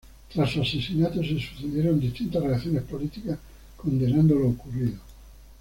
Tras su asesinato se sucedieron distintas reacciones políticas condenando lo ocurrido.